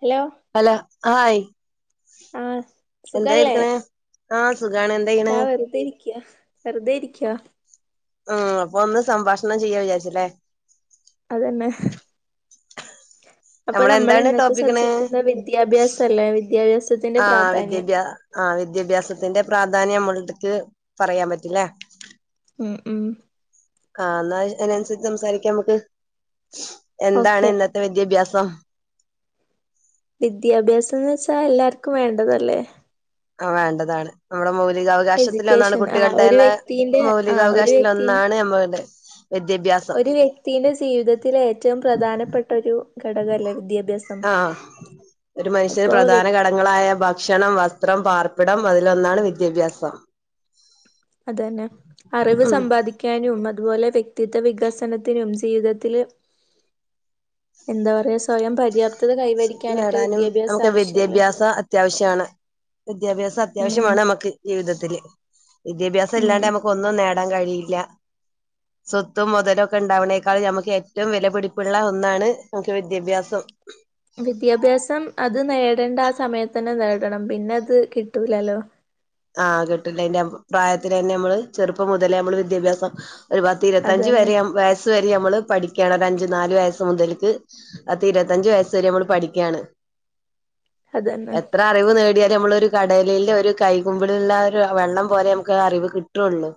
Hello. Hello hi ആഹ് എന്തായിരിക്ക്ണേ ആഹ് സുഖാണ് എന്തെ. താ വെറുതെ ഇരിക്ക്യ വെറുതെ ഇരിക്ക്യ. ആഹ് അപ്പൊ ഒന്ന് സംഭാഷണം ചെയ്യാ വിചാരിച്ച് ലേ. അതന്നെ. അപ്പൊ നമ്മള് നമ്മളെന്താണ് ഇന്നത്തെ ടോപ്പിക്ക്ണ് സബ്ജക്റ്റ്ന്ന വിദ്യാഭ്യാസല്ലേ വിദ്യാഭ്യാസ ആഹ് വിദ്യഭ്യാ ആഹ് വിദ്യഭ്യാസത്തിന്റെ പ്രാധാന്യം നമ്മളട്ത്ത്ക്ക് പറയാൻ പറ്റിലേ. ഉം ഉം. ആഹ് ന്നാ അയ്നനുസരിച്ച് സംസാരിക്കാം അമ്മക്ക് ഓക്കെ എന്താണ് ഇന്ന വിദ്യാഭ്യാസം വിദ്യാഭ്യാസം ന്ന് വെച്ചാൽ എല്ലാർക്കും വേണ്ടതല്ലേ ആ വേണ്ടതാണ് നമ്മുടെ മൗലികാവകാശത്തിലെന്നാണ് എഡ്യൂക്കേഷൻ ആഹ് ഒരു കുട്ടികളുടെതന്നെ വ്യക്തിന്റെ ആഹ് ഒരു വ്യക്തിന്റെ മൗലികാവകാശത്തിലെന്നാണ് നമ്മളുടെ വിദ്യാഭ്യാസം ക്തിയിലെ ജീവിതത്തിലെ ഏറ്റവും പ്രധാനപ്പെട്ട ഒരു ഘടകല്ലേ വിദ്യാഭ്യാസം ആഹ് ഒരു മനുഷ്യന് അപ്പൊ വ്യക് പ്രധാനഘട കങ്ങളായ ഭക്ഷണം വസ്ത്രം പാർപ്പിടം അതിലൊന്നാണ് വിദ്യാഭ്യാസം അതന്നെ അറിവ് ഉം സമ്പാദി ക്കാനും അതുപോലെ വ്യക്തിത്വ വികസനത്തിനും ജീവിതത്തില് എന്താ പറയാ സ്വയം പര്യാപ്ത നേടാനും നമുക്ക് വിദ്യാഭ്യാസം അത്യാവശ്യാണ് വിദ്യാഭ്യാസം അത്യാവശ്യം ഉം വേണം നമ്മക്ക് ജീവിതത്തില് വിദ്യാഭ്യാസം ഉം ഇല്ലാണ്ട് നമുക്ക് ഒന്നും നേടൻ നേടാൻ കഴിയില്ല. [inaudible] സ്വത്തും മൊതലും ഒക്കെ ഇണ്ടാവ്ണേക്കാൾ നമുക്ക് ഏറ്റവും വിലപിടിപ്പുള്ള ഒന്നാണ് നമുക്ക് വിദ്യാഭ്യാസം. വിദ്യാഭ്യാസം അത് നേടേണ്ട ആ സമയത്ത് തന്നെ നേടണം പിന്നെ അത് കിട്ടൂലല്ലോ. ആഹ് കിട്ടില്ല എന്റെ അഭിപ്രായ പ്രായത്തി തന്നെ നമ്മള് ചെറുപ്പം മുതലേ നമ്മള് വിദ്യാഭ്യാസം ഒരുപ പത്ത് അതന്നെ ഇര്പത്തഞ്ച്‌വരെ വയസ് വരെ നമ്മള് പഠിക്കണം ഒരു അഞ്ചു നാല് വയസ്സ് മുതല്ക്ക്. പത്ത് ഇരുപ്പത്തഞ്ചു വയസ് വരെ നമ്മള് പഠിക്കാണ്. അതെന്നെ. അറിവ് നേടിയാല് നമ്മളൊരു കടലെല് ഒരു കൈ [unintelligible] ഒരു വെള്ളം പോലെ നമ്മക്ക് അറിവ് കിട്ടൊള്ളു.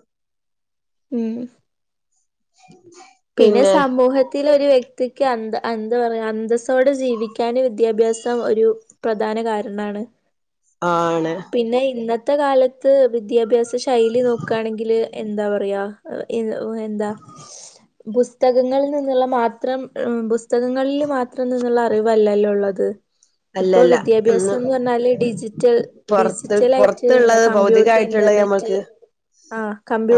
ഉം. [unintelligible] പിന്നെ സമൂഹത്തില് ഒരു വ്യക് വ്യക്തിക്ക്അന്ത എന്താ പറയാ അന്തസ്സോടെ ജീവിക്കാൻ വിദ്യാഭ്യാസം ഒരു പ്രധാന കാരണാണ്. ആണ്. പിന്നെ ഇന്നത്തെ കാലത്ത് വിദ്യാഭ്യാസ ശൈലി നോക്കണെങ്കില്. എന്താ പറയാ എന്താ പുസ്തകങ്ങളിൽ നിന്ന്ള്ള മാത്രം പുസ്തകങ്ങളിൽ മാത്രം നിന്ന്ള്ള അറിവല്ലല്ലോ ഇള്ളത്. ഇപ്പൊ അല്ലല്ല ഇന്ന് വിദ്യാഭ്യാസം എന്ന് പറഞ്ഞാല് ഡിജിറ്റൽ പുറത്ത് ഡിജിറ്റൽ ആയിട്ട് എന്താ പുറത്തുള്ളത് കമ്പ്യൂട്ടർ ഭൗതികമായിട്ടുള്ളത് ഇന്റർനെറ്റ്. നമ്മക്ക് ആ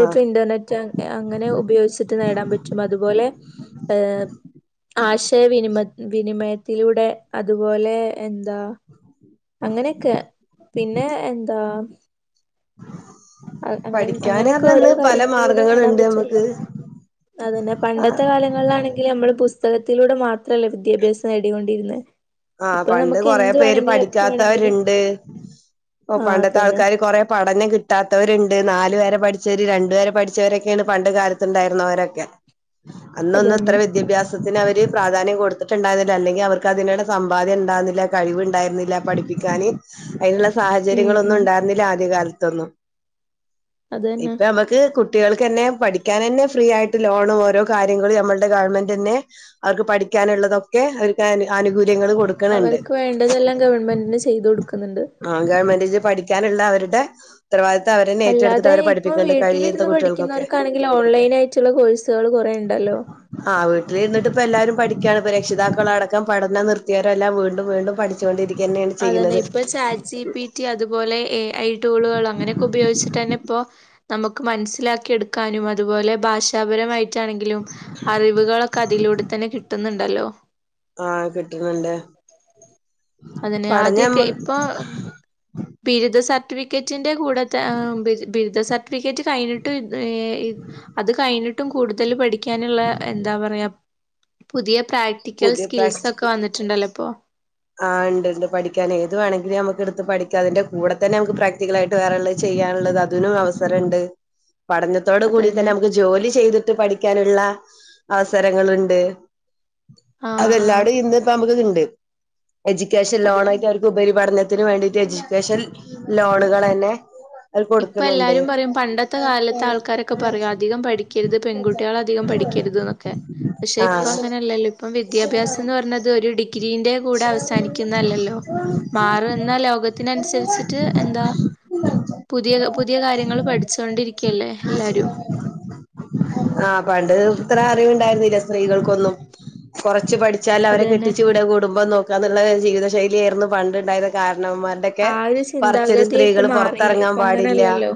ആഹ് ഇന്റർനെറ്റ് അങ്ങനെ ഉപയോഗിച്ചിട്ട് നേടാൻ പറ്റും. അതുപോലെ ഏഹ്. ആശയവിനിമ വിനിമയത്തിലൂടെ അതുപോലെ എന്താ അങ്ങനെയൊക്കെ പിന്നെ എന്താ. അങ്ങനെ പഠിക്കാന് അങ്ങനെയൊക്കെ ഓരോ അറഞ്ഞ പല കാര്യങ്ങളിലൂടെ നേടാൻ മാർഗങ്ങള്ണ്ട് പറ്റുവല്ലോ ഞമ്മക്ക്. അതന്നെ പണ്ടത്തെ കാലങ്ങളിലാണെങ്കിൽ നമ്മള് പുസ്തകത്തിലൂടെ മാത്രല്ലെ വിദ്യാഭ്യാസം നേടികോണ്ടിരുന്നേ. ആഹ് പണ്ട് കൊറേ പേര് വേണെങ്കിലും പഠിക്കാത്തവര്ണ്ട്. ആഹ് പണ്ടത്തെ അതന്നെ ആൾക്കാര് കൊറെ പഠനം കി കിട്ടാത്തവര്ണ്ട് നാല് വരെ പഠിച്ചവര് രണ്ടു വരെ പഠിച്ചവരൊക്കെയാണ് പണ്ട് കാലത്ത്ണ്ടായിരുന്നവരൊക്കെ. അന്നൊന്നും അതന്നെ ഇത്ര വിദ്യാഭ്യസത്തിന് അവര് പ്രാധാന്യം കൊടുത്തിട്ട്ണ്ടായിരുന്നില്ല അല്ലെങ്കിൽ അവർക്ക് അതിനിടെ സമ്പാദ്യം ഇണ്ടായിരുന്നില്ല കഴിവ്ണ്ടായിരുന്നില്ല പഠിപ്പിക്കാന്. അതിനുള്ള ഉം സാഹചര്യങ്ങളൊന്നും ഉം ഉണ്ടായിരുന്നില്ല ആദ്യകാലത്തൊന്നും. അതന്നെ ഇപ്പൊ ഞമക്ക് കു കുട്ടികൾക്ക് തന്നെ പഠിക്കാനന്നെ ഫ്രീ ആയിട്ട് ലോണും ഓരോ കാര്യങ്ങളും നമ്മളുടെ ഗവൺമെന്റ് തന്നെ- അവർക്ക് പഠിക്കാനുള്ളതൊക്കെ അവർക്ക് ആനുകൂല്യങ്ങൾ കൊടുക്കും അവരിക്ക് വേണ്ടതെല്ലാം ഗവൺമെന്റനെ ചെയ്തു കൊടുക്കുന്നുണ്ട്. ആഹ് ഗവൺമെന്റിന്ന്പഠിക്കാനുള്ള അവരുടെ ഉത്തരവാദിത്തം അവരന്നെ ഏറ്റെടുത്തിട്ട് അല്ലാതെ അവരെ ഇപ്പൊ പഠിപ്പിക്കേണ്ട കഴിയാത്ത വീട്ടിലിരുന്ന് കുട്ടികൾക്കൊക്കെ പഠിക്കുന്നവർക്കാണെങ്കിൽ ഓൺലൈൻ ആയിട്ടുള്ള കോഴ്സ് കള്കൊറെ ഉണ്ടല്ലോ. ആഹ് വീട്ടില് ഇരുന്നിട്ട് ഇപ്പോ എല്ലാരും പഠിക്കാണ് ഇപ്പോ രക്ഷിതാക്കളടക്കം പഠനം നിർത്തിയാരരെല്ലാം വീണ്ടും വീണ്ടും പഠി ച്ചൊണ്ടിരികന്നെയാണ് അതന്നെ ചെയ്യണത്. ഇപ്പൊ ചാറ്റ് ജി. പി. ടി അതുപോലെ എ. ഐ ടൂളുകളോ അങ്ങനെയൊക്കെ ഉപയോഗിച്ചിട്ട് തന്നെ ഇപ്പൊ നമുക്ക് മനസ്സിലാക്കി എടുക്കാനും അതുപോലെ ഭാഷാപരമായി ട്ടണെങ്കിലും അറിവുകളൊക്കെ അതിലൂടെ തന്നെ കിട്ടുന്നുണ്ടല്ലോ. ആഹ് കിട്ടുന്നുണ്ട്. അതന്നെ പഠനം ആദ്യൊക്കെ നമ്മൾ ഇപ്പൊ ബിരുദ സ സർട്ടിഫിക്കറ്റിന്റെ കൂടെ ത ആഹ് ബിരുദ സർട്ടിഫിക്കറ്റ് കഴിഞ്ഞിട്ട് ഏ അത് കഴിഞ്ഞിട്ടും കൂടുതല് പഠിക്കാനുള്ള എന്താ പറയാ പുതിയ പ്രാക്ടിക്കൽ പുതിയ സ്കിൽസ് ഒക്കെ വന്നിട്ടുണ്ടല്ലോ ഇപ്പോ ആഹ് ഇണ്ട്ണ്ട് പഠിക്കാന് ഏത് വേണെങ്കി ലും നമുക്ക്ട്ത്ത് പഠിക്കാ അതിന്റെ കൂടെ തന്നെ നമു ക്ക് പ്രാക് റ്റിക്കലായി ട്ട് വേറെള്ളത് ചെയ്യാനുള്ളത് അതിനും അവസരണ്ട് പഠന ത്തോട് കൂടി തന്നെ നമുക്ക് ജോലി ചെയ്തിട്ട് പഠിക്കാനുള്ള അവസരങ്ങളുണ്ട്. ആഹ് ആഹ് അതെല്ലാടെ ഇന്ന്പ്പ നമക്ക്തിണ്ട്. എജി ക്കേഷൻ അത് തന്നെ ലോണായിട്ട് അവർക്ക് ഉപരിപഠനത്തിന് വേണ്ടിട്ട് എജിക്കേഷൻ ലോണുകളെന്നെ ഇപ്പൊ എല്ലാരും പറയും പണ്ടത്തെ കാലത്ത് ആൾക്കാരൊക്കെ പറയും അധികം പഠിക്കര് ത് പെൺകുട്ടിയാള് അധികം പഠിക്കര്ത് ന്ന്. ക്കെ പക്ഷെ ഇപ്പൊ ആഹ് അങ്ങനെയല്ലല്ലോ ഇപ്പം വിദ്യാഭ്യാസന്ന് പറഞ്ഞത് ഒരു ഡി ഡിഗ്രിന്റെ കൂടെ അവസാനിക്കുന്നല്ലല്ലോ മാറിവ ന്ന ലോകത്തിന് അനുസരിച്ചിട്ട് എന്താ കി ഉ [unintelligible] പുതിയ പുതിയ കാര്യങ്ങള് പഠിച്ച് കൊണ്ടിരിക്കല്ലേ ഹെ ല്ലാരും. ആഹ് പണ്ട് ഇത്ര അറിവ് ണ്ടായിരുന്നില്ല സ് സ്ത്രീകൾക്കൊന്നും കൊറച്ച് പഠിച്ചാൽ അവരെ കെ അതന്നെ ഇവിടെ കുടുംബം നോക്കാന്നുള്ളത് ജീവിത ശൈലി അ ർന്നു പണ്ടുണ്ടായത് കാരണൊന്മാർ ക്ക ആ ഒരു പറിചില് ചിന്താഗതി ഇപ്പൊ സ്ത്രീകള് പൊ മാറിയില്ലേ റത്തറങ്ങാൻ ഇപ്പൊ പാടില്ല അങ്ങനെയല്ലല്ലോ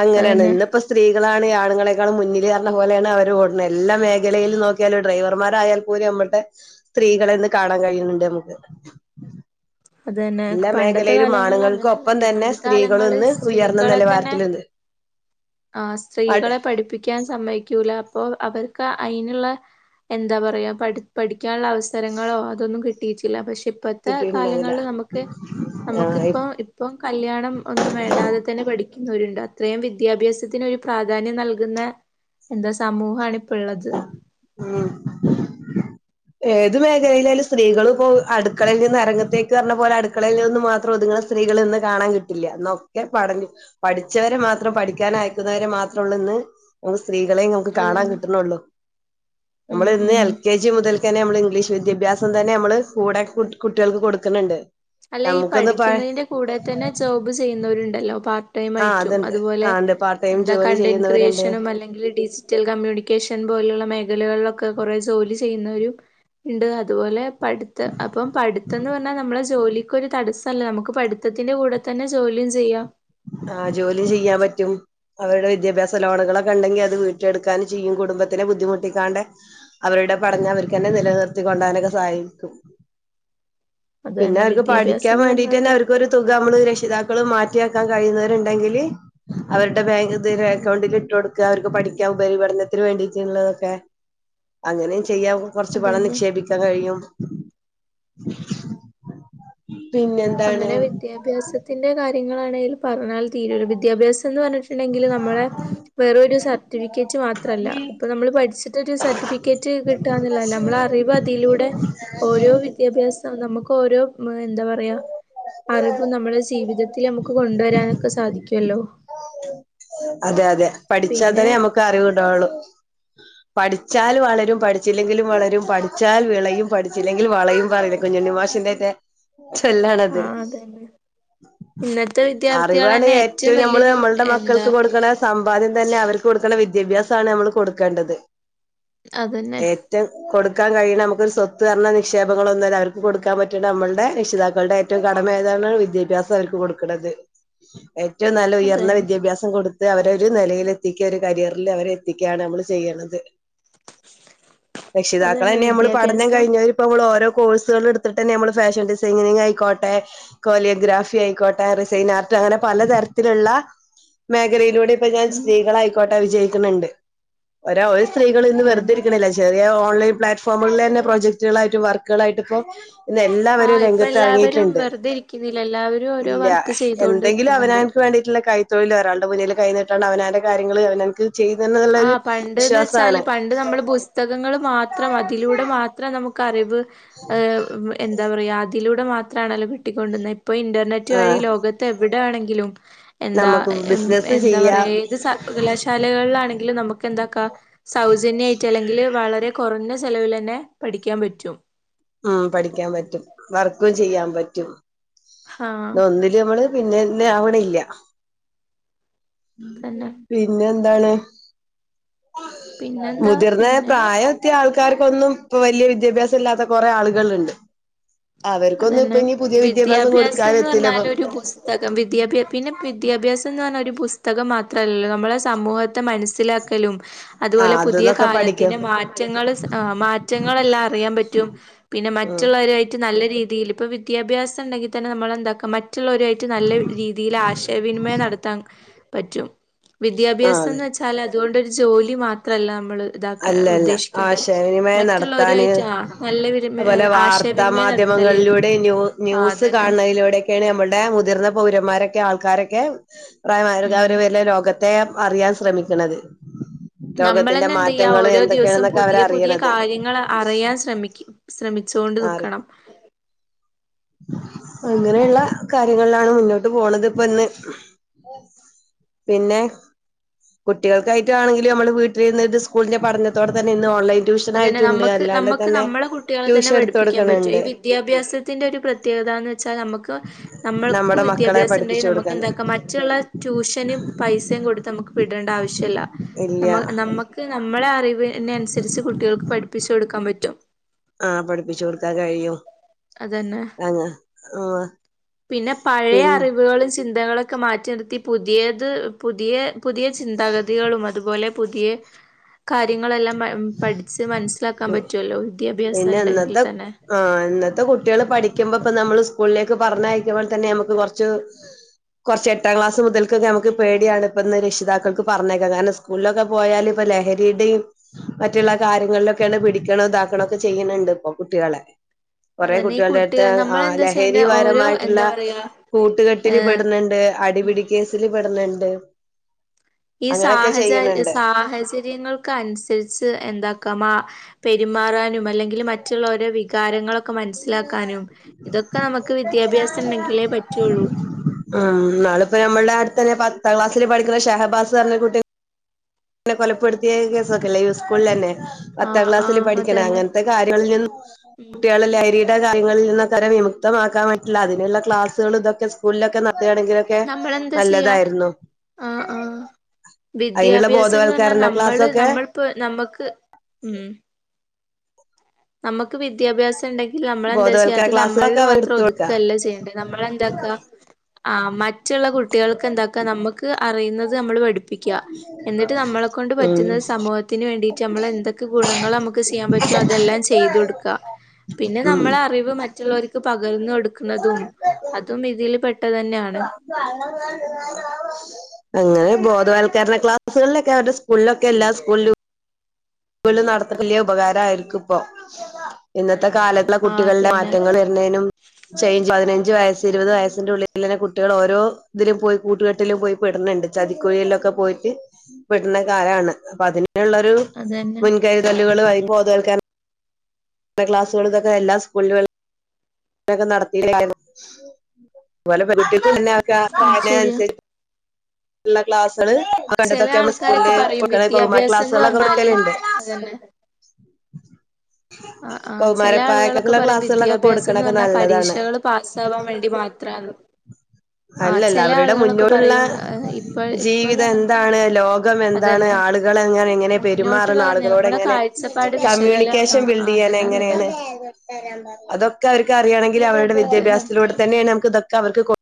അങ്ങനെണ് അതന്നെ ഇന്ന് പ്പൊ സ് സ്ത്രീകളാണ് ആണുങ്ങളെക്കാളും മുന്നില് കർണം പോലെയാണ് അവര് ഓട് ണ് എല്ലാ മേഖലയിലും നോക്കി നോക്കി യാലും ഡ്രൈവർമാരായാൽ പോലും നമ്മൾ ടെ സ്ത്രീകളെന്ന് കാണാൻ കഴിയുന്നുണ്ട് നമുക്ക്. അതന്നെ എല്ലാ പണ്ടത്തെ മേഖലയിലും കാലങ്ങൾ ആണുങ്ങൾക്കൊപ്പം അങ്ങനല്ലല്ലോ തന്നെ പണ്ടത്തെ സ്ത്രീകളും കാലങ്ങളിൽ ഇന്ന് ഉയർന്ന സ്ത്രീകളെ തന്നെ നിലവാരത്തിലുണ്ട്. ആഹ് ആട് സ്ത്രീകളെ പഠിപ്പി ക്കാൻ സമ്മയ്ക്കൂല അപ്പോ അവർക്ക് അയിന്ള്ള എന്താ പറയാ പഠി പഠിക്കാനുള്ള അവസരങ്ങളോ അതൊന്നും കിട്ടിയിട്ടില്ല പക്ഷെ ഇപ്പത്തെ കിട്ടിയിട്ടുണ്ടാവില്ല കാലങ്ങളിൽ നമക്ക് നമക്ക് ആഹ് ഇപ്പൊ ഇപ്പം കല്യാണം ഒന്നും വേണ്ടാതെ തന്നെ പഠിക്കുന്നോ രുണ്ട് അത്രയും വിദ്യാഭ്യാസത്തിന് ഒരു പ്രാധാന്യം നൽകുന്ന എന്താ സമൂഹാണ് ഇപ്പ ഇള്ളത്. ഉം. [inaudible] ഏത് മേഖലിലേ ലുംസ്ത്രീകളു ഇപ്പോ അടുക്കളയിൽ നിന്ന് അരങ്ങത്തേക്ക് പറഞ്ഞ പോലെ അടുക്കളയിൽ നിന്ന് മാത്രം ഒത്ങ്ങ്ണ സ്ത്രീകളെ ഒന്ന് കാണാൻ കിട്ടില്ല ഇന്നൊക്കെ പഠന പഠിച്ചവരെ മാത്രം പഠിക്കാൻ അയക്കുന്നവരെ മാത്രേ ഉള്ളൂ ഇന്ന് ഒന്ന് സ്ത്രീകളെ നമക്ക് കാണാൻ അതന്നെ കിട്ടുണൊള്ളു ഉം നമ്മള് ഇന്ന് ഉം എൽ കെ ജി മുതൽക്കന്നെ നമ്മള് ഇംഗ്ലീഷ് വിദ്യാഭ്യാസം തന്നെ നമ്മള് കൂടെ കുട്ടേൾക്ക് കൊടുക്ക്ണ് ണ്ട് അല്ല ഈ പഠിക്കുന്നയിന്റെ കൂടെ തന്നെ ജോബ് ചെയ്യുന്നവരുണ്ടല്ലോ പാർ ടൈം ആഹ് ആയിറ്റും അതുണ്ട് അതുപോലെ ആഹ് ഉണ്ട് പാർട്ട് ടൈം എന്താ ജോലി കണ്ടന്റ് ചെയ്യുന്നവരുണ്ട്. ക്രിയേഷനും അല്ലെങ്കിൽ ടിസ് റ്റൽ കമ്മ്യൂണിക്കേഷൻ പോലുള്ള മേഖലകളിലൊക്കെ കൊറേ ജോലി ചെയ്യുന്നവരും ഇണ്ട് അതുപോലെ പഠിത്ത് അപ്പം പഠിത്തന്ന് പറഞ്ഞ നമ്മളസ് ജോലിക്കൊരു തടസ്സല്ലെ നമുക്ക് പഠിത്തത്തിന്റെ കൂടെ തന്നെ ജോലിയും ചെയ്യാം ആഹ് ജോലി ചെയ്യാൻ പറ്റും അവരുടെ വിദ്യാഭ്യാസ ലോണുകളൊക്കെ ഇണ്ടെങ്കി അത് വീട്ടി എടുക്കാനും ചെയ്യും കുടുംബത്തിനേ ബുദ്ധിമുട്ടിക്കാണ്ടേ അവരുടെ പടഞ്ഞ അവർക്കന്നെ നിലനിർത്തി കൊണ്ടാവനൊക്കെ സഹക്കും അത് പിന്നെ തന്നെ അവർക്ക് പഠിക്കാൻ വിദ്യാഭ്യാസംന്ന് വേണ്ടിട്ടന്നെ പറഞ്ഞപ്പ അവർക്കൊരു തുക നമ്മള് രക്ഷിതാക്കളും മാറ്റിയ ക്കാൻ കഴിയുന്നവര് ഇണ്ടങ്കില് അവരുടെ ബാങ്ക്തി അക്കൗണ്ടിലിട്ടൊടക്ക അവര്ക്ക് പഠിക്കാൻ ഉപരിപഠനത്തിന് വേണ്ടിറ്റിള്ളതൊക്കെ അങ്ങനെ ചെയ്യാവൂ കൊർച്ച് അത് പണം തന്നെ നിക്ഷേപിക്കാൻ കഴിയും പിന്നെന്താണ് അങ്ങനെ വിദ്യാഭ്യാസത്തിന്റെ കാര്യങ്ങളാണേൽ പറഞ്ഞാൽ തീരൊല്ലോ വിദ്യാഭ്യാസംന്ന് പറഞ്ഞിട്ട്ണ്ടങ്കില് നമ്മളെ വെറുരു സർട്ടിഫിക്കറ്റ് മാത്രല്ല ഇപ്പൊ നമ്മള് പഠിച്ച്ട്ടരു സർട്ടിഫിക്കറ്റ് കിട്ടാന്ന് ള്ളതല്ല നമ്മള അറിവ് അതിലൂടെ [unintelligible] ഓരോ വിദ്യാഭ്യാസം നമുക്ക് ഓരോ എന്താ പറയാ അറിവ് നമ്മളെ ജീവിതത്തിൽ നമുക്ക് കൊണ്ടുവരാനൊക്കെ സാധിക്കുമല്ലോ അതെ അതെ പഠിച്ചാൽ പിന്നെ തന്നെ നമുക്ക് അറിവ്ണ്ടാവുള്ളു പഠിച്ചാൽ വളരും പഠിച്ചില്ലെങ്കിലും വളരും പഠിച്ചാൽ വിളയും പഠിച്ചില്ലെങ്കിൽ വളയും പറ കുഞ്ഞണ്ണിമാഷിന്റെ ചെല്ലാണ് ത് ആഹ് അതന്നെ ഇന്നത്തെ അറിവാണ് വിദ്യാർത്ഥികളന്നെ ഏറ്റവും നമ്മൾ വലിയൊരു നമ്മൾ എന്താ മക്കൾക്ക് കൊടുക്കണ സമ്പാദ്യം തന്നെ അവർക്ക് കൊടുക്കുള്ള വിദ്യാഭ്യാസമാണ് നമ്മൾ കൊടുക്കേണ്ടത് അതന്നെ റ്റ കൊടുക്കാൻ കഴിയണ നമുക്ക് ഒരു സ്വത്ത് ന്നറിഞ്ഞ നിക്ഷേപങ്ങളൊന്നുമില്ല അവർക്ക് കൊടുക്കാൻ പറ്റണ്ട നമ്മുടെ രക്ഷിതാക്കളുടെ എ ഏറ്റവും കടമയതാണ് വിദ്യാഭ്യാസം അവർക്ക് കൊടുക്കണത് ഏറ്റവും നല്ല ഉയർന്നവി അതന്നെ ഭ്യായാസം കൊടുത്ത് അവര ഒരു നിലയിൽ എത്തിക്കുക ഒരു കരിയറിൽ അവരെ എത്തിക്കുകയാണ് നമ്മള് ചെയ്യണത് രക്ഷിതാക്കള അതന്നെ തന്നെ നമ്മള് പഠനം വിദ്യാഭ്യാസം കഴിഞ്ഞവരും ഇപ്പ നമ്മൾ ഓരോ കോഴ്സൊള് എടുത്തിട്ട് തന്നെ നമ്മള് ഫാഷൻ ഡിസൈനിങ് ആയിക്കോട്ടെ കോളിയോഗ്രാഫി ആയിക്കോട്ടെ റിസൈൻ ആർട്ട് അങ്ങനെ പലതരത്തിലുള്ള മേഖലയിലൂടെ ഇപ്പൊ ഞാൻ ഉം സ്ത്രീകളായിക്കോട്ടെ വിജയിക്ക്ണണ്ട് ഒര ഒരു സ്ത്രീകൾ ഇന്ന് വെറുതെ അതന്നെ ഇരിക്കണല്ല ചെറിയ ഓൺലൈൻ പ്ലാറ്റ്ഫോമുകളിൽ തന്നെ പ്രോജക്ടുകളായിട്ടും വർക്കുകളായിട്ടും ഇപ്പം ഇന്ന് എല്ലാവരും ആഹ് ഇപ്പൊ എല്ലാവരും രംഗത്ത്റങ്ങിയിട്ടുണ്ട് വെറുതെ ഇരിക്കുന്നില്ല എല്ലാവരും ഓരോ ഇല്ല വർക്ക് ചെയ്തോണ്ട് എന്തെങ്കിലും നിക്കുന്നുണ്ട് അവനവൻ വേണ്ടിയിട്ടുള്ള കൈത്തൊഴിൽ ഒരാൾടെ മുന്നിൽ കൈഞ്ഞിട്ടണ്ട് അവനാന്റെ കാര്യങ്ങള് അവനവൻക് ചെയ്തന്നെ ആഹ് പണ്ട്ന്ന് വച്ചാല് പണ്ട് നമ്മള് പുസ്തകങ്ങള് മാത്രം അതിലൂടെ മാത്രം നമുക്ക് അറിവ് എന്താ പറയാ അതിലൂടെ മാത്രണല്ലോ കിട്ടിക്കൊണ്ടുവന്നുന്നത് ഇപ്പൊ ഇന്റർനെറ്റ് ആ വഴി ലോക ത്ത് എവിടെ ആണെങ്കിലും എന്താ നമുക്ക് ബിസിനസ് എന്താ പറയ ചെയ്യാം ഏത് സർവകലാശാലകളിലണെ ല്ലെ നമുക്കെന്താക്കാ സൗജന്യായിട്ട് അല്ലെങ്കിൽ വളരെ കൊറഞ്ഞചെലവിലന്നെ പഠിക്കാൻ പറ്റും ആഹ് പഠിക്കാൻ പറ്റും വർക്കും ചെയ്യാൻ പറ്റും ആഹ് തൊന്നി- നമ്മള് പിന്നെന്നെ ആവണില്ല്യ തന്നെ പിന്നെന്താണ് പിന്നെന്താ മുതിർന്നെ പിന്നെ പ്രായം ത്ത്യാൾക്കാർക്കൊന്നും പ്പൊ വല്യ വിദ്യാഭ്യാസല്ലാത്ത കൊറേ ആള്കള് ണ്ട് അതന്നെ അവർക്കൊന്നുംപ്പന്നി പുതിയ വിദ്യാഭ്യാസം കൊടുക്കാൻ എത്തില്ലപ്പം തകം വിദ്യാഭ്യാ പിന്നെ വിദ്യാഭ്യാസം ന്ന് പറഞ്ഞാ ഒരു പുസ്തകം മാത്രല്ലല്ലോ, നമ്മളെ സമൂഹത്തെ മനസ്സിലാക് ക്കലും ആ അതുപോലെ പുതിയ അത്ന്നൊക്കെ പഠിക്കും കാലത്തിന്റെ മാറ്റങ്ങള് ആഹ് മാറ്റങ്ങളെല്ലാം അറിയാൻ പറ്റും പിന്നെ ഉം മറ്റുള്ളവരുഅയിട്ട് നല്ല രീതിയിൽ പ്പൊ വിദ്യാഭ്യാസണ്ടെങ്കിൽ തന്നെ നമ്മൾന്താക്ക മ മറ്റുള്ളവരായിട്ട് നല്ല രീതീലാശയവിനിമയം നടത്താൻ പറ്റും ആ അതെ വിദ്യാഭ്യാസംന്ന് വെച്ചാലതുകൊണ്ടൊരു ജോലി മാത്രല്ല നമ്മള് അല്ലല്ല ആശയവിനിമയം നടത്താന് മറ്റുള്ളവരുമായിട്ട് ആ നല്ല വിനിമയ അതുപോലെ വാർ- ത്താ ആശയവിനിമയം നടത്തല് മാധ്യമങ്ങളിലൂടെ ന്യൂ ആഹ് ന്യൂസ് അതന്നെ കാൺണ- ലൂടെക്കേണ് നമ്മുടെ മുതിർന്ന പൗരന്മാരൊക്കെ ആൾക്കാരൊക്കെ ഉം പ്രായമായ വരിടെ ലോക - ത്തെ അറിയാൻ ശ്രമിക്ക്ണത്. ലോകത്തിന്റെ നമ്മളന്നെ മാ- എന്ത് ഓരോ ദിവസും പുതിയ പുതിയ കാര്യങ്ങൾ അറിയാൻ ശ്രമക് ശ്രമിച്ചോണ്ട് ആറി നിക്കണം അങ്ങനെയുള്ള കാര്യങ്ങളിലാണ് മുന്നോട്ട് പോണത്പ്പ ന്ന് പിന്നെ കുട്ടികൾക്കായിട്ടാണെങ്കിലും ഞമ്മള് വീട്ടിലിരുന്നിട്ട് സ്കൂളിന്റെ പഠനതോടെ തന്നെ ഇന്ന് ഓൺലൈൻ അതന്നെ ട്യൂഷനായിട്ട്ണ്ട്. നമ്മക്ക് അല്ലാണ്ട് നമ്മക്ക് തന്നെ ട്യൂഷൻട്ത്ത കൊട്ക്ക്ണ് ണ്ട് ദ്യാഭ്യാസത്തിന്റൊരു പ്രത്യേകതാന്ന് വെച്ചാ നമ്മക്ക് പ്പ നമ്മക്ക് നമ്മുടെ മക്കളെ വിദ്യാഭ്യാസണ്ടെങ്കി പഠിപ്പിച്ചു കൊടുക്കാൻ നമ്മക്കെന്താക്ക മറ്റുള്ള ട്യൂഷന് പൈസ- യുംകൊട്ത്ത് നമുക്ക് വിടേണ്ട ആവശ്യല്ല. ഇല്ല നമു നമ്മക്ക് നമ്മളെ അറിവിനൻസര്ച്ച് കു ട്ടികൾക്ക് പഠിപ്പിച്ചു കൊടുക്കാൻ പറ്റും. ആഹ് പഠിപ്പിച്ചു കൊടുക്കാൻ കഴിയും അതന്നെ അങ്ങ് ആ പിന്നെ പഴയ പിൻ അറിവുകളും ചിന്തകളൊക്- ക്കെ മാറ്റി നിർത്തി പുതിയത് പുതിയ പുതിയ ചിന്താഗതികളും അതുപോലെ പുതിയ കാര്യങ്ങളെല്ലാംമ - പഠിച്ച് മനസ്സിലാക്കാൻ പറ്റുമല്ലോ വിദ്യാഭ്യാസണ്ടെങ്കിൽ തന്നെ, ആഹ് ഇന്നത്തെ കുട്ടികൾ പഠിക്കുമ്പപ്പൊനമ്മള് സ്കൂളിലേക്ക് പറഞ്ഞയക്കുമ്പോൾ തന്നെ നമക്ക് കൊർച്ച് കൊർച്ച് എട്ടാം ക്ലാസ് മുതൽക്കൊക്കെ നമുക്ക് പേടിയാണ് ഇപ്പന്ന് രക്ഷിതാക്കക്ക് പറഞ്ഞേക്കാൻ. കാരണം സ് - സ്കൂളിലൊക്കെ പോയാൽ ഇപ്പ ലഹരിയുടിം മറ്റുള്ള കാര്യങ്ങളിലക്- ക്കേണ് പിടിക്കണോ ഇതാക്കണോ ഒക്കെ ചെയ്യ്‌ണ് ണ്ട്പ്പൊ കുട്ടികളെ കൊറേ അതന്നെ ഈ കുട്ട്യേൾണ്ടെ അടുത്ത് കുട്ടികൾ ആ നമ്മളെന്താ വെച്ചാ അതിന്റെ ഓരോ ലഹരിപരമായിട്ടുള്ള എന്താ പറയാ കൂട്ടുകെട്ടില് ഏഹ് പെടുന്നുണ്ട്, ഉം അടിപിടി കേസില് പെട്ന്ന്ണ്ട് ഈ സാഹച സാഹചര്യങ്ങൾക്ക് അനുസരിച്ച് എന്താക്കാ മാ- പെരുമാറാനും അല്ലെങ്കില് മറ്റുള്ളവരോ വികാരങ്ങളൊക്- ക്ക മൻസ്സിലാക്കാനും ഇതൊക്കെ നമുക്ക് വിദ്യാഭ്യാസംണ്ടെങ്കിലേ പറ്റുള്ളൂ ഉം നാള്പ്പൊ ഞമ്മൾടെ അടുത്തന്നെ പത്താം ക്ലാസിൽ പഠിക്കുന്ന ഷഹബാസ് പർഞ്ഞ കുട്ടി നെ കൊലപ്പെടുത്തിയ കേസൊക്കെല്ലേ ഈ സ്കൂളിലന്നെ പത്താം ആഹ് ക്ലാസ്സിൽ ആഹ് പഠിക്ക്ണെ, അതന്നെ അങ്ങൻത്തെ കാര്യങ്ങളിൽ നിന്നും ഉം കുട്ട്യാള് ലഹരി ടെ കാര്യങ്ങളിൽ നിന്നൊക്കവരെ വിമുക്തമാക്കാൻ പറ്റില്ല അതിനുള്ള ക്ലാസുകൾതൊക്കെ സ്കൂളിലൊക്കെ നടത്തുകയാണെങ്കിലൊക് നമ്മളെന്താ ചെയ്യാ ആ ആഹ് അതിനുള്ള വിദ്യാഭ്യാസം - ന്ന് പർഞ്ഞ ബോധവൽക്കരണ നമ്മള് ക്ലാസ്സൊക്കെ നമ്മളിപ്പോ നമ്മുക്ക് ഉം നമുക്ക് വിദ്യാഭ്യാസം ഉണ്ടെങ്കിൽ നമ്മളെന്താ ചെയ്യ ബോധവൽക്കരണ അത് നമ്മളിൽ ക്ലാസ്സുകളൊക്കെ അവർ മാത്രം എടുത്ത് കൊടുക്ക ഒതുക്കുകയല്ല. ചെയ്യേണ്ടത്. നമ്മള എന്താക്ക ആ മറ്റുള്ള കുട്ടികൾക്ക് എന്താക്ക നമ്മുക്ക് അറിയുന്നത് നമ്മൾ പഠപ്പിക്കുക. എന്നിട്ട് നമ്മളെ കൊണ്ട് പറ്റുന്ന ഉം സമൂഹത്തിന് വേണ്ടിട്ട് നമ്മൾ എന്തൊക്കെ ഗുണങ്ങൾ നമുക്ക് ചെയ്യാൻ പറ്റോ അതെല്ലാം ചെയ്യാ ചെയ്തു കൊടുക്ക. പിന്നെ ഉം നമ്മള അറിവ് മറ്റുള്ളവർ പകർന്ന് കോടുക്കുന്നതും അതും ഇതിൽ പെട്ടത് തന്നെയാണ്. അ വേണ്ട ആ [unintelligible] അങ്ങനെ ബോധവത്ൽക്കരണ ക്ലാസുകളിലക്കെ അവരെ സ്കൂളിലൊക്കെ എല്ലാ സ്കൂളിലും സ്കുളിൽ നടതുന്നത് വലിയ ഉപകാരമായിരിക്കും ഇപ്പോ, ഇന്നത്തെ കാലത്തെ ആഹ് കുട്ടികളുടെ അതന്നെ മാറ്റങ്ങൾ ന്നേനും ചേഞ്ച് പതിനഞ്ച് വയസ്സ് ഇരുപത് വയസ്സിന്റെ ഉള്ളിൽ തന്നെ കുട്ടികൾ ഓരോ ഇതിലും പോയി കൂട്ടുകെട്ടിലും പോയി പെടുന്നുണ്ട്. ചതിക്കുഴിയിലൊക്കെ പോയിട്ട് പെടുന്ന കാലമാണ് അപ്പൊ അതിനുള്ളൊരു അതന്നെ മുൻകരുതലുകൾ ബോധവത്കരണ ക്ലാസ്സുകൾ ഇതൊക്കെ എല്ലാ സ്കൂളുകളും ഒക്കെ നടത്തിയിരുന്നു. അതുപോലെ പെണ് [unintelligible] കുട്ടികൾക്ക് അത് ശരിയാ പ്രായത്തിനനുസരിച് ഉള്ള ക്ലാസുകൾ കണ്ടതോ ചെല ക്കെ നമ്മൾ സ്കൂളിൽ ആൾക്കാരൊക്കെ പറയും കുട്ടികൾക്ക് വിദ്യാഭ്യാസം എന്ന് ക്ലാസ്സുകളിലൊക്കെ എ പറഞ്ഞാല് ടുക്കലുണ്ട്. [inaudible] [inaudible] അതന്നെ ആ, ആ, ചില ആളുകളൊക്കെ പറയും ക്ലാസ്സുകളൊക്കെ വിദ്യാഭ്യാസം എന്ന് കൊടുക്കണൊക്കെ പറഞ്ഞാൽ നല്ലതാണ് പരീക്ഷകൾ പാസ്സാവാൻ വേണ്ടി മാത്ര. അല്ലല്ല അവരുടെ മുന്നോടുള്ള പറയും ഇപ്പ ഇപ്പോഴും ജീവിതം അങ്ങനെ തന്നെ എന്താണ്? ലോകം എന്താണ്? അതന്നെ ആളുകളെങ്ങനെ എങ്ങനെ പെരുമാറണം. മുന്നോട്ടുള്ള ആളുകളോട് ഞമ്മളെ എങ്ങനെ കാഴ്ചപ്പാട് വിശകലം ആ കമ്മ്യൂണിക്കേഷൻ ബിൽഡ് ചെയ്യാൻ അതന്നെ അതന്നെ എങ്ങനെയാണ്? അതൊക്കെ അവർക്ക് അറിയാണെങ്കിൽ അവരുടെ അത് തന്നെ വിദ്യാഭ്യസത്തിലൂടെ തന്നെയാണ്. നമുക്ക് ഇതൊക്കെ അവർക്ക് കൊടുക്കാൻ